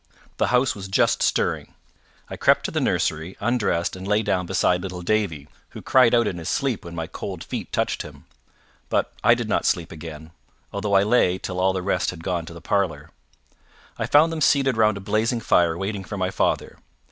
The house was just stirring. I crept to the nursery, undressed, and lay down beside little Davie, who cried out in his sleep when my cold feet touched him. But I did not sleep again, although I lay till all the rest had gone to the parlour. I found them seated round a blazing fire waiting for my father.